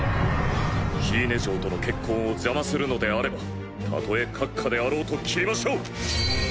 フィーネ嬢との結婚を邪魔するのであればたとえ閣下であろうと斬りましょう。